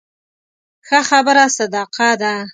ښه خبره صدقه ده